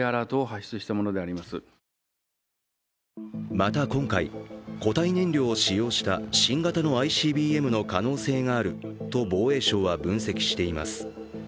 また今回、固体燃料を使用した新型のＩＣＢＭの可能性があると防衛省は分析しています。